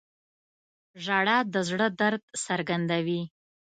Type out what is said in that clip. • ژړا د زړه درد څرګندوي.